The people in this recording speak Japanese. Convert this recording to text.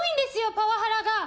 パワハラが！